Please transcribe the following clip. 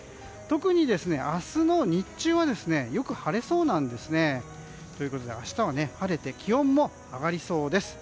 特に明日の日中はよく晴れそうなんですね。ということで明日は晴れて気温も上がりそうです。